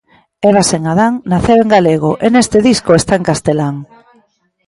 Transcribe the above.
'Eva sen Adán' naceu en galego e neste disco está en castelán.